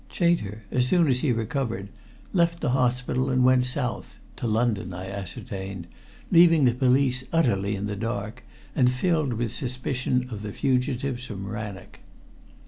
Chater, as soon as he recovered, left the hospital and went south to London, I ascertained leaving the police utterly in the dark and filled with suspicion of the fugitives from Rannoch.